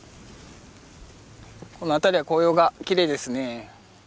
この辺りは紅葉がきれいですね。